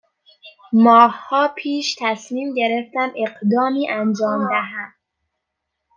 ماهها پیش تصمیم گرفتم اقدامی انجام دهم